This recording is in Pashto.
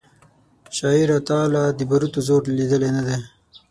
شاعره تا لا د باروتو زور لیدلی نه دی